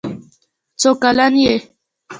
څو کلن یې.